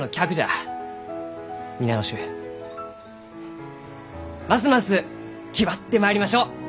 皆の衆ますます気張ってまいりましょう！